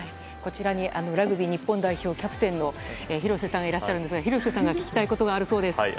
こちらにラグビー日本代表キャプテンの廣瀬さんがいらっしゃるんですが廣瀬さんが聞きたいことがあるそうです。